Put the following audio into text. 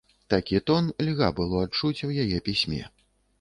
Такі тон льга было адчуць у яе пісьме.